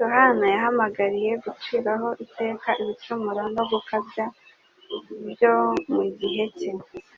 Yohana yahamagariwe guciraho iteka ibicumuro no gukabya byo mu gihe cye,